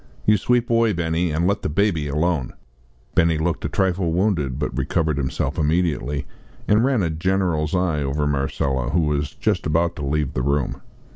You sweep away, Benny, and let the baby alone." Benny looked a trifle wounded, but recovered himself immediately, and ran a general's eye over Marcella who was just about to leave the room.